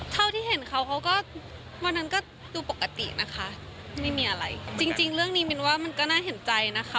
เท่าที่เห็นเขาเขาก็วันนั้นก็ดูปกตินะคะไม่มีอะไรจริงจริงเรื่องนี้มินว่ามันก็น่าเห็นใจนะคะ